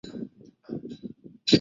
曾任海军青岛基地副司令员。